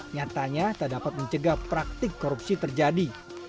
nyatanya tak dapat mencegah praktik korupsi terjadi